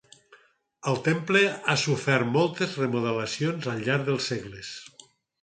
El temple ha sofert moltes remodelacions al llarg dels segles.